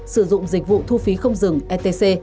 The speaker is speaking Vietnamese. sử dụng dịch vụ thu phí không rừng stc